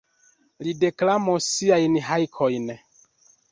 Li deklamos siajn hajkojn.